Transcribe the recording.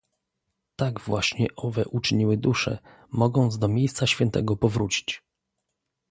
"Tak właśnie owe uczyniły dusze, Mogąc do miejsca świętego powrócić."